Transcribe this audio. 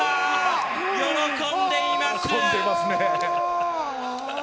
喜んでいます。